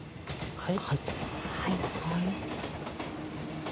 はい。